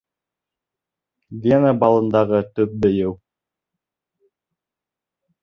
Вена балындағы төп бейеү.